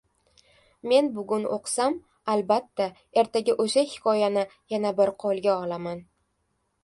Men bugun o‘qisam, albatta, ertaga o‘sha hikoyani yana bir qo‘lga olaman.